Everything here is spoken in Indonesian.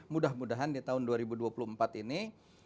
mudah mudahan di tahun dua ribu dua puluh empat ini